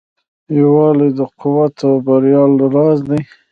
یووالی د قوت او بریا راز دی.